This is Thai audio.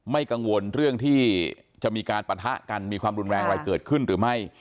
กังวลเรื่องที่จะมีการปะทะกันมีความรุนแรงอะไรเกิดขึ้นหรือไม่